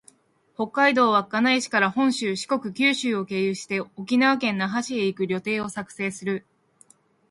北海道稚内市から本州、四国、九州を経由して、沖縄県那覇市へ行く旅程を作成する